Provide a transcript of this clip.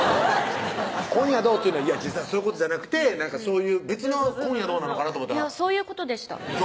「今夜どう？」っていうのは実はそういうことじゃなくて別の「今夜どう？」かなと思ったらそういうことでしたど